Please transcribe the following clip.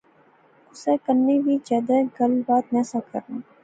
کسے کنے وی جادے گل بات نہسا کرنا